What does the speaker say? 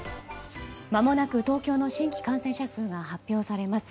まもなく東京の新規感染者数が発表されます。